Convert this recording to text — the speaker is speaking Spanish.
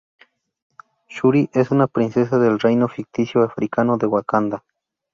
Shuri es una princesa del reino ficticio africano de Wakanda.